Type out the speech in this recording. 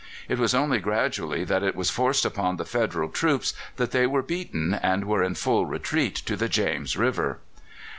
It was only gradually that it was forced upon the Federal troops that they were beaten and were in full retreat to the James River.